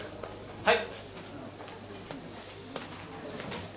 はい。